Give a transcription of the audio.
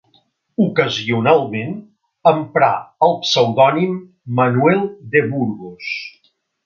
Ocasionalment emprà el pseudònim Manuel de Burgos.